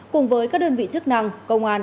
cùng với các đơn vị chức năng công an